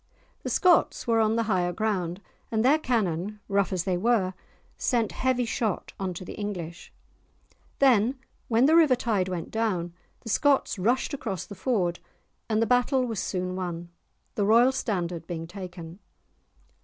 The Scots were on the higher ground, and their cannon, rough as they were, sent heavy shot on to the English. Then when the river tide went down, the Scots rushed across the ford, and the battle was soon won, the royal standard being taken.